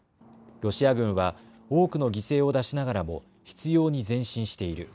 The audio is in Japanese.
ロシア軍は多くの犠牲を出しながらも執ように前進している。